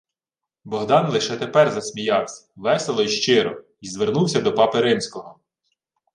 Богдан лише тепер засміявсь — весело й щиро, й звернувся до папи римського: